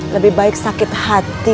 lebih baik sakit hati